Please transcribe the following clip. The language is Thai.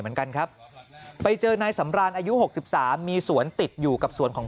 เหมือนกันครับไปเจอนายสำรานอายุ๖๓มีสวนติดอยู่กับสวนของ